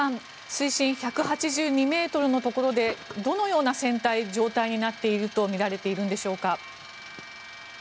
水深１８２ｍのところでどのような状態になっているとみられているんでしょうか。